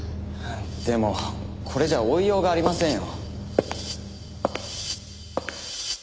でもこれじゃ追いようがありませんよ。